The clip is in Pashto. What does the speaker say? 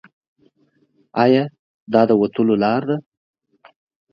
ایا دا د وتلو لار ده؟